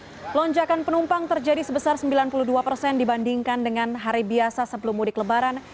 jadi lonjakan penumpang terjadi sebesar sembilan puluh dua persen dibandingkan dengan hari biasa sebelum mudik lebaran